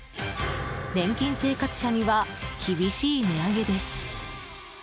年金生活者には厳しい値上げです。